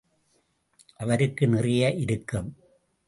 அவருக்கும் நிறைய இருக்கும்.